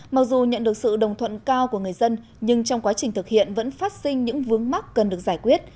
mặc dù nhận được sự đồng thuận cao của người dân nhưng trong quá trình thực hiện vẫn phát sinh những vướng mắc cần được giải quyết